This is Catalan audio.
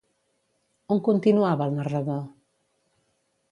On continuava el narrador?